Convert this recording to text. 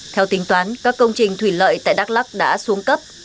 theo tính toán các công trình thủy lợi tại đắk lắc đã xuống cấp